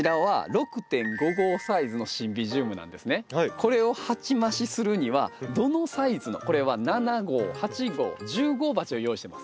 これを鉢増しするにはどのサイズのこれは７号８号１０号鉢を用意してます。